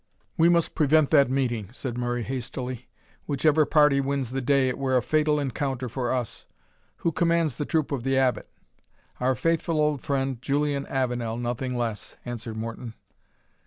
"We must prevent that meeting," said Murray, hastily; "whichever party wins the day, it were a fatal encounter for us Who commands the troop of the Abbot?" "Our faithful old friend, Julian Avenel, nothing less," answered Morton.